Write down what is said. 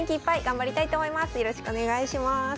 よろしくお願いします。